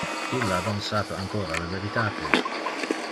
Illa non sape ancora le veritate.